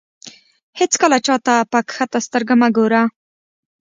هېڅکله چاته په کښته سترګه مه ګوره.